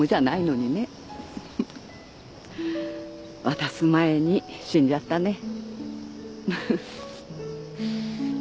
渡す前に死んじゃったね。